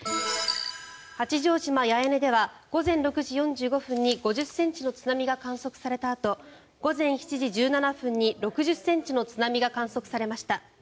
八丈島・八重根では午前６時４５分に５０ｃｍの津波が観測されたあと午前７時１７分に６０ｃｍの津波が観測されました。